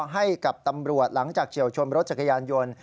ให้กับตำรวจหลังจากเฉียวชนรถจักรยานยนต์